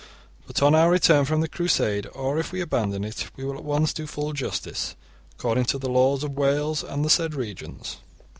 But on our return from the Crusade, or if we abandon it, we will at once do full justice according to the laws of Wales and the said regions.